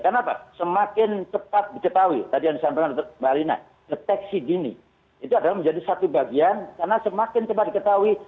karena apa semakin cepat diketahui tadi yang disampaikan mbak elina deteksi gini itu adalah menjadi satu bagian karena semakin cepat diketahui